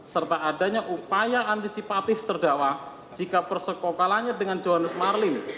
serta adanya upaya antisipatif terdakwa jika persekokalannya dengan johannes marlim